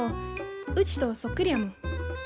うちとそっくりやもん。